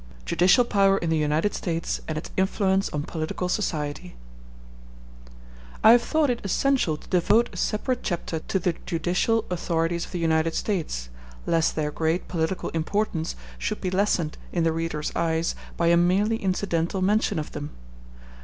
Judicial Power In The United States And Its Influence On Political Society. I have thought it essential to devote a separate chapter to the judicial authorities of the United States, lest their great political importance should be lessened in the reader's eyes by a merely incidental mention of them.